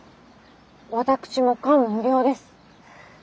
私も感無量です。